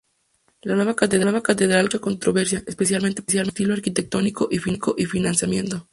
La nueva Catedral causó mucha controversia, especialmente por su estilo arquitectónico y financiamiento.